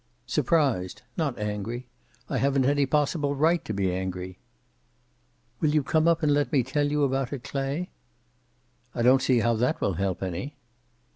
"Surprised. Not angry. I haven't any possible right to be angry." "Will you come up and let me tell you about it, Clay?" "I don't see how that will help any."